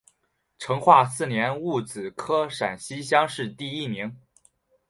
成化四年戊子科陕西乡试第一名。